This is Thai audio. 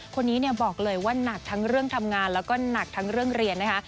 คนนี้บอกเลยว่านักทั้งเรื่องทำงานแล้วก็หนักทั้งเรื่องเรียนนะคะ